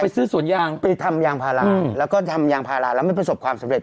ซื้อสวนยางไปทำยางพาราแล้วก็ทำยางพาราแล้วไม่ประสบความสำเร็